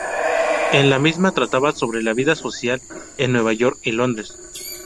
En la misma trataba sobre la vida social en Nueva York y Londres.